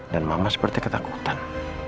dan mama seperti ketakutan